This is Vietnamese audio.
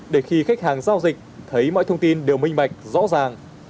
để khi khách hàng giao dịch thấy mọi thông tin đều minh bạch rõ ràng